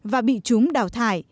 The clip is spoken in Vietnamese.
và bị chúng đào thải